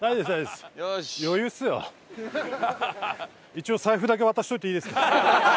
一応財布だけ渡しといていいですか？